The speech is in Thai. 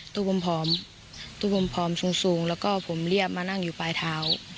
ตัวผมผอมตัวผมผอมสูงแล้วก็ผมเลียบมานั่งอยู่ปลายเท้า